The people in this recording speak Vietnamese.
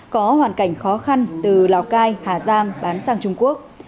có hoàn cảnh khó khăn từ lào cai hà giang bán sang trung quốc